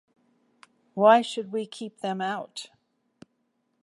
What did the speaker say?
Why should we keep them out?